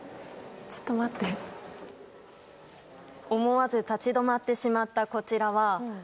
思わず立ち止まってしまったこちらは。